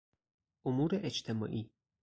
امور اجتماعی